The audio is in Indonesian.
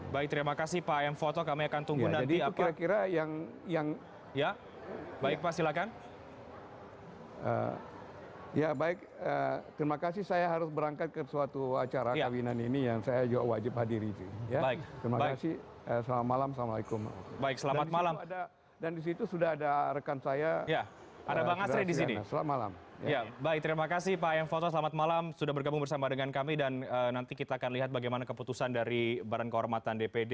baik terima kasih pak ayam foto selamat malam sudah bergabung bersama dengan kami dan nanti kita akan lihat bagaimana keputusan dari barang kehormatan dpd